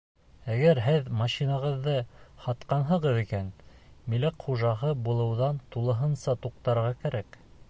Әгәр һеҙ машинағыҙҙы һатҡанһығыҙ икән, милек хужаһы булыуҙан тулыһынса туҡтарға кәрәк.